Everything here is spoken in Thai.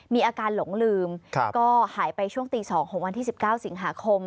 มีอาการหลงลืมก็หายไปช่วงตี๒ของวันที่๑๙สิงหาคม